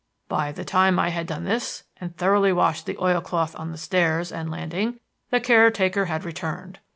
By the time I had done this and thoroughly washed the oilcloth on the stairs and landing, the caretaker had returned.